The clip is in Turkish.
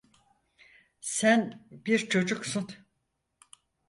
Sen bir çocuksun.